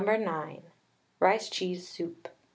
9. RICE CHEESE SOUP.